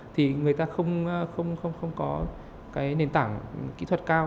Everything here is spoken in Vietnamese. thì người ta không có cái nền tảng kỹ thuật cao